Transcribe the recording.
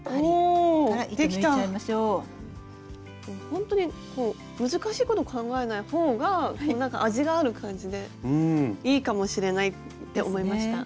ほんとに難しいこと考えない方がなんか味がある感じでいいかもしれないって思いました。